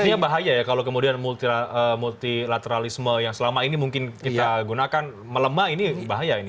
artinya bahaya ya kalau kemudian multilateralisme yang selama ini mungkin kita gunakan melemah ini bahaya ini